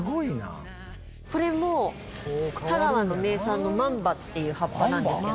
これも香川の名産のまんばっていう葉っぱなんですけどね。